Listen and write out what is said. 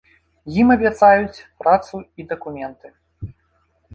Ім абяцаюць працу і дакументы.